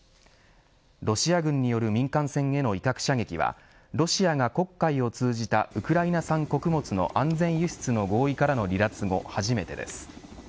ロシア軍による民間船への威嚇射撃はロシアが黒海を通じたウクライナ産穀物の安全輸出の合意からの離脱後初めてです。